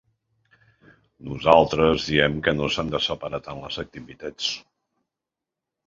Nosaltres diem que no s’han de separar tant les activitats.